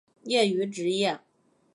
业余职业